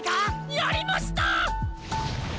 やりました！